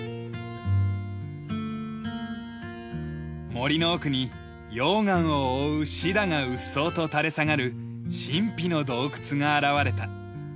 森の奥に溶岩を覆うシダがうっそうと垂れ下がる神秘の洞窟が現れた。